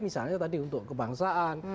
misalnya tadi untuk kebangsaan